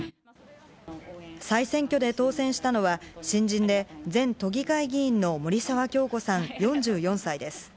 再選挙で当選したのは、新人で前都議会議員の森沢恭子さん４４歳です。